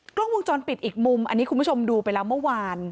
กล้องวงจรปิดอีกมุมอันนี้คุณผู้ชมดูไปแล้วเมื่อวาน